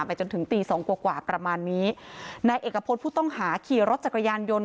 จนถึงตีสองกว่ากว่าประมาณนี้นายเอกพฤษผู้ต้องหาขี่รถจักรยานยนต์